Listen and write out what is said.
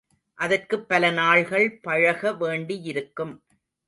அதற்குப் பல நாள்கள் பழக வேண்டியிருக்கும்.